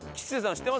知ってます？